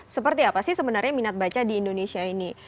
seperti apa sih sebenarnya minat baca di indonesia ini